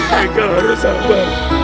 haikal harus sabar